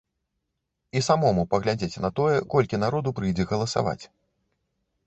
І самому паглядзець на тое, колькі народу прыйдзе галасаваць.